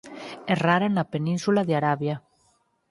É rara na península de Arabia.